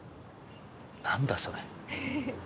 何だそれ？